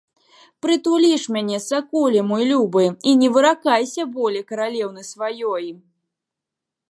Прытулі ж мяне, саколе мой любы, і не выракайся болей каралеўны сваёй!